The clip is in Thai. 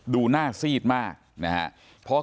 ดูหน้าซีดมากนะครับ